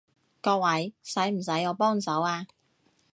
各位，使唔使我幫手啊？